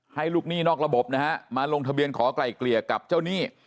ลูกหนี้นอกระบบนะฮะมาลงทะเบียนขอไกล่เกลี่ยกับเจ้าหนี้